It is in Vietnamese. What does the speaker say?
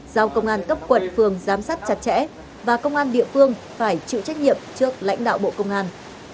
giao công an cấp quận phường giám sát chặt chẽ và công an địa phương phải chịu trách nhiệm trước lãnh đạo bộ công an